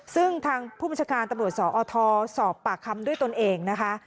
ซึ่งทางผู้บัญชาการตำรวจสอทสอบปากคำด้วยตนเองนะคะ